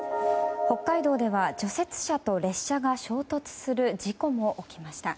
北海道では、除雪車と列車が衝突する事故も起きました。